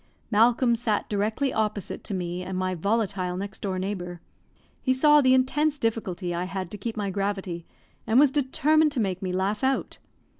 Malcolm sat directly opposite to me and my volatile next door neighbour. He saw the intense difficulty I had to keep my gravity, and was determined to make me laugh out.